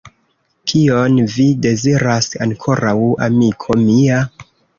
Kion vi deziras ankoraŭ, amiko mia?